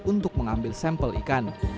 untuk mengambil sampel ikan